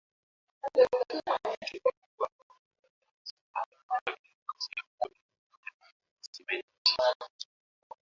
Vitu vikuu ambavyo Uganda inaiuzia Jamhuri ya Kidemokrasia ya Kongo ni pamoja na Simenti